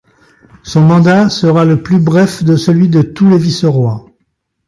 Son mandat sera le plus bref de celui de tous les vice-rois.